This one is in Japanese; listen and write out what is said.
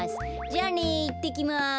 じゃあねいってきます。